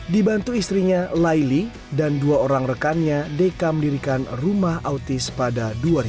dibantu istrinya laili dan dua orang rekannya deka mendirikan rumah autis pada dua ribu dua